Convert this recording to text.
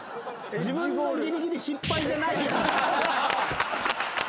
自分のギリギリ失敗じゃない。